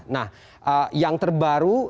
nah yang terbaru